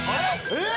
えっ？